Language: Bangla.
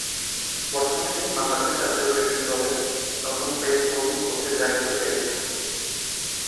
বর্তমানে তিনি বাংলাদেশ জাতীয় ক্রিকেট দলের নতুন পেস বোলিং কোচের দায়িত্ব পেয়েছেন।